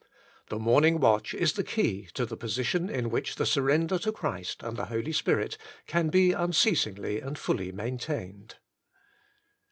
The morning watch is the key to the position in which the surrender to Christ and the Holy Spirit can be unceasingly and fully maintained.